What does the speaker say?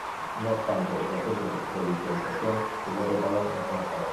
No obstante, el proceso de provincialización fue completado meses más tarde.